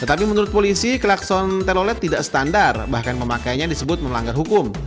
tetapi menurut polisi klakson telolet tidak standar bahkan pemakaiannya disebut melanggar hukum